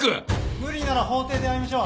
無理なら法廷で会いましょう。